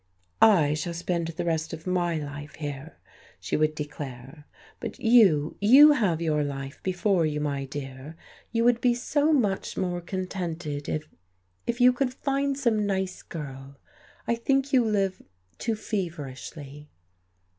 "I shall spend the rest of my life here," she would declare. "But you you have your life before you, my dear. You would be so much more contented if if you could find some nice girl. I think you live too feverishly."